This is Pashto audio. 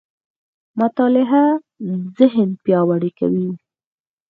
مطالعه ذهن پياوړی کوي.